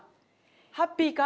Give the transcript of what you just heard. ハッピーか？